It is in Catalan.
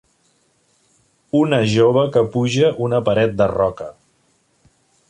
Una jove que puja una paret de roca.